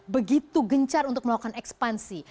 begitu gencar untuk melakukan ekspansi